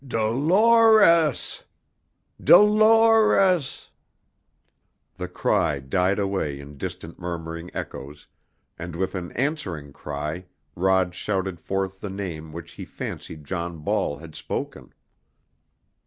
"Dol o res s s s Dol o res s s s " The cry died away in distant murmuring echoes, and with an answering cry Rod shouted forth the name which he fancied John Ball had spoken.